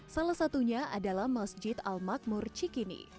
salah satunya adalah masjid al makmur cikini